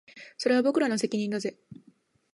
それは僕らの責任だぜ